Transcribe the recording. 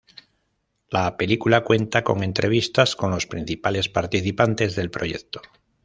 La película cuenta con entrevistas con los principales participantes del proyecto.